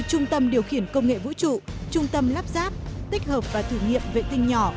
trung tâm điều khiển công nghệ vũ trụ trung tâm lắp ráp tích hợp và thử nghiệm vệ tinh nhỏ